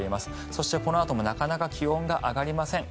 そしてこのあともなかなか気温が上がりません。